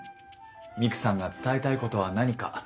ミクさんが伝えたいことは何か？